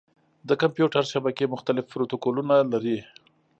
د کمپیوټر شبکې مختلف پروتوکولونه لري.